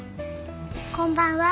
こんばんは。